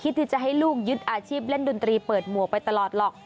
สถานการณ์ต่าง